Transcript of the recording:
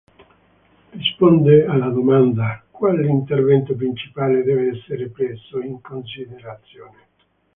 Risponde alla domanda: “Quale intervento principale deve essere preso in considerazione?”.